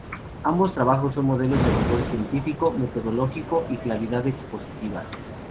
Ambos trabajos son modelos de rigor científico, metodológico y claridad expositiva.